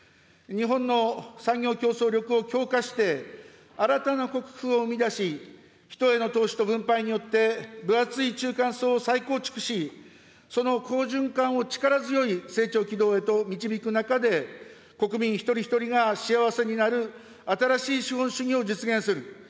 日本の産業競争力を強化して新たな国富を生み出し、人への投資と分配によって、分厚い中間層を再構築し、その好循環を力強い成長軌道へと導く中で、国民一人一人が幸せになる新しい資本主義を実現する。